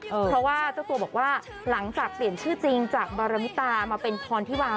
เพราะว่าเจ้าตัวบอกว่าหลังจากเปลี่ยนชื่อจริงจากบารมิตามาเป็นพรธิวา